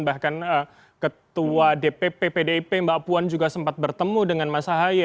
bahkan ketua dpp pdip mbak puan juga sempat bertemu dengan mas ahaye